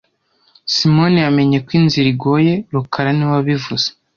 Simoni yamenye ko inzira igoye rukara niwe wabivuze